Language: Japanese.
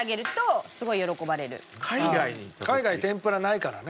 海外天ぷらないからね。